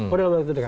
oh dalam waktu dekat